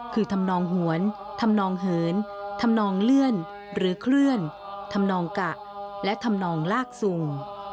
คือธรรมนองหวนธรรมนองเหินธรรมนองเลื่อนหรือเคลื่อนธรรมนองกะและธรรมนองลากสุง